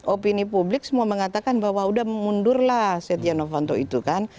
opini publik semua mengatakan bahwa udah mundurlah setia novanto itu kan